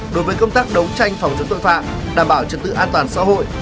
đối với công tác đấu tranh phòng chống tội phạm đảm bảo trật tự an toàn xã hội